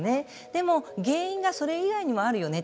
でも原因がそれ以外にもあるよね。